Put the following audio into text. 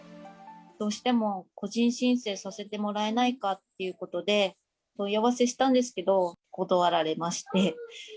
どうしても個人申請させてもらえないかということで、問い合わせしたんですけど、断られまして。